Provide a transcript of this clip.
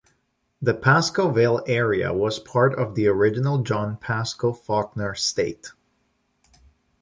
The Pascoe Vale area was part of the original John Pascoe Fawkner estate.